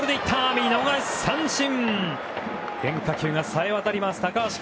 見逃し三振！